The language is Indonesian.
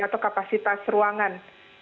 atau kapasitas ruangan